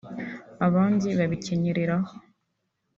abandi babikenyereraho